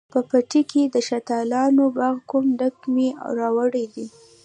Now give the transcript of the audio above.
په پټي کښې د شلتالانو باغ کوم، ډکي مې راوړي دي